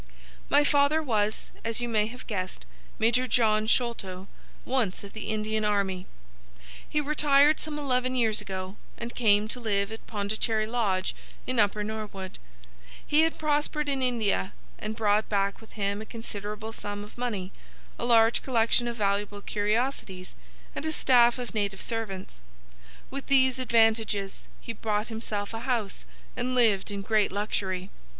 "My father was, as you may have guessed, Major John Sholto, once of the Indian army. He retired some eleven years ago, and came to live at Pondicherry Lodge in Upper Norwood. He had prospered in India, and brought back with him a considerable sum of money, a large collection of valuable curiosities, and a staff of native servants. With these advantages he bought himself a house, and lived in great luxury.